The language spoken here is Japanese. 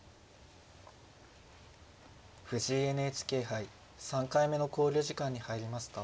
藤井ＮＨＫ杯３回目の考慮時間に入りました。